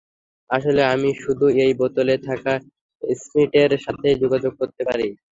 আসলে আমি শুধু এই বোতলে থাকা স্পিরিটের সাথেই যোগাযোগ করতে পারি।